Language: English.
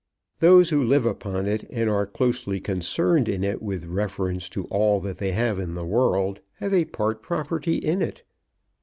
Those who live upon it, and are closely concerned in it with reference to all that they have in the world, have a part property in it.